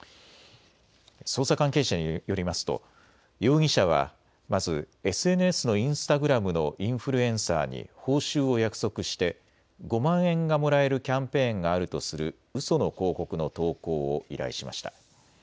捜査関係者によりますと容疑者はまずＳＮＳのインスタグラムのインフルエンサーに報酬を約束して５万円がもらえるキャンペーンがあるとするうその広告の投稿を依頼しました。